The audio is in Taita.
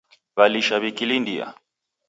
Walisha wikilindia